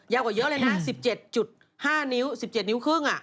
ยาวกว่าเยอะเลยนะ๑๗๕นิ้ว๑๗๕นิ้ว